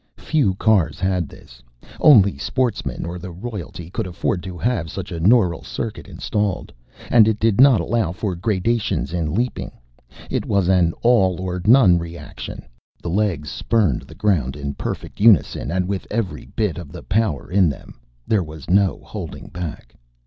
Few cars had this; only sportsmen or the royalty could afford to have such a neural circuit installed. And it did not allow for gradations in leaping. It was an all or none reaction; the legs spurned the ground in perfect unison and with every bit of the power in them. There was no holding back.